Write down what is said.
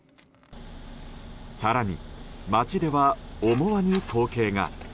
更に、町では思わぬ光景が。